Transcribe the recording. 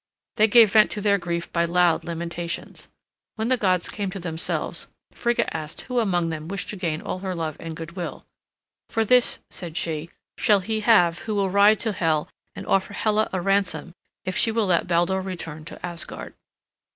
They gave vent to their grief by loud lamentations. When the gods came to themselves, Frigga asked who among them wished to gain all her love and good will. "For this," said she, "shall he have who will ride to Hel and offer Hela a ransom if she will let Baldur return to Asgard."